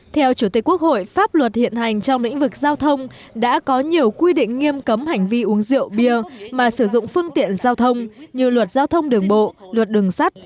theo chủ tịch quốc hội pháp luật hiện hành trong lĩnh vực giao thông đã có nhiều quy định nghiêm cấm hành vi uống rượu bia mà sử dụng phương tiện giao thông như luật giao thông đường bộ luật đường sắt